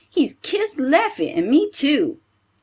He's kissed Leffie, and me too!"